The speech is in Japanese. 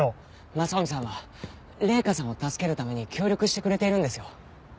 雅臣さんは麗華さんを助けるために協力してくれているんですよ。